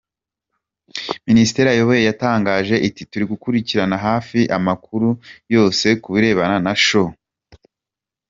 Minisiteri ayoboye yatangaje iti “Turi gukurikiranira hafi amakuru yose ku birebana na Choe”.